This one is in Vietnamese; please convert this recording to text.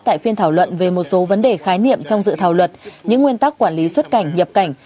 tại phiên thảo luận về một số vấn đề khái niệm trong dự thảo luật những nguyên tắc quản lý xuất cảnh nhập cảnh